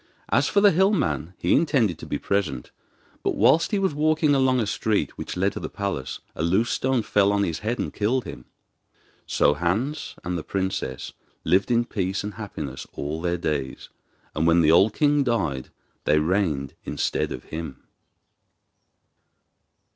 As for the hill man he intended to be present; but whilst he was walking along a street which led to the palace a loose stone fell on his head and killed him. So Hans and the princess lived in peace and happiness all their days, and when the old king died they reigned instead of him.